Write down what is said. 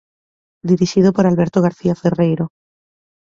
Dirixido por Alberto García Ferreiro.